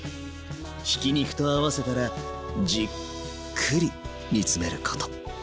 ひき肉と合わせたらじっくり煮詰めること。